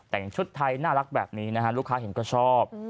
แต่งชุดไทยน่ารักแบบนี้นะฮะลูกค้าเห็นก็ชอบ